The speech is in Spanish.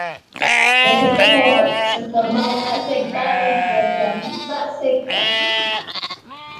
De este modo se forma una secta dentro de la misma secta.